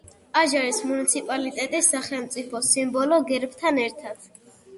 აჟარის მუნიციპალიტეტის სახელმწიფო სიმბოლო გერბთან ერთად.